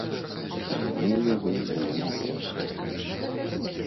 А яно ў яго было няпростае.